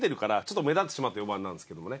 ちょっと目立ってしまって４番なんですけどもね。